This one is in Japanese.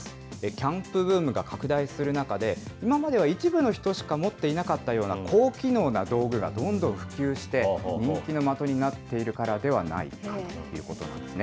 キャンプブームが拡大する中で、今までは一部の人しか持っていなかったような高機能な道具がどんどん普及して、人気の的になっているからではないかということなんですね。